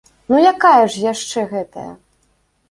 Ну якая ж яшчэ гэтая?